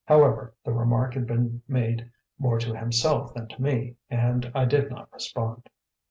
However, the remark had been made more to himself than to me and I did not respond.